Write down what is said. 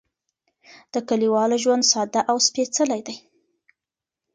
د کليوالو ژوند ساده او سپېڅلی دی.